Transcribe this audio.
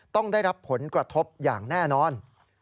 ต้องได้รับผลกระทบอย่างแน่นอน